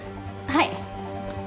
はい。